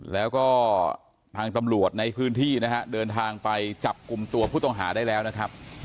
แล้วก็ทางตำรวจในพื้นที่นะฮะเดินทางไปจับกลุ่มตัวผู้ต้องหาได้แล้วนะครับ